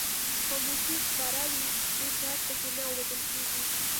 خاموشي خپره وي هېڅ غږ پکې نه اورېدل کیږي.